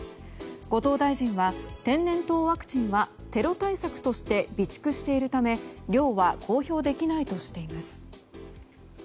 後藤大臣は天然痘ワクチンはテロ対策として備蓄しているため、量は公表できないとしています。